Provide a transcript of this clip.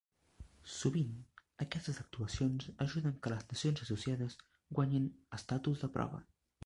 Sovint aquestes actuacions ajuden que les Nacions associades guanyin Estatus de prova.